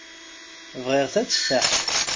Bɣiɣ tateffaḥt.